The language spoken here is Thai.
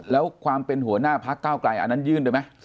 แล้วความเป็นหัวหน้าพักเก้าไกลอันนั้นยื่นไปไหม